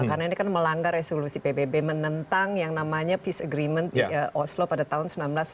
karena ini kan melanggar resolusi pbb menentang yang namanya peace agreement di oslo pada tahun seribu sembilan ratus sembilan puluh tiga